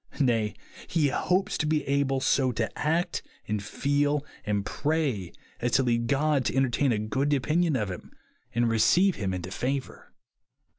Nay, he hopes to be able so to act, and feel, and pray, as to lead God to entertain a good opinion of him, and receive him into favour.